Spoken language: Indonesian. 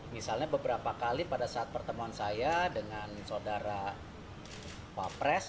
misalnya beberapa kali pada saat pertemuan saya dengan saudara wapres